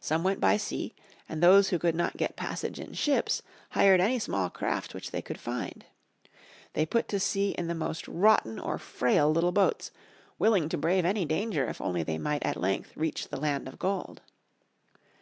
Some went by sea, and those who could not get passage in ships hired any small craft which they could find. They put to sea in the most rotten or frail little boats, willing to brave any danger if only they might at length reach the land of gold.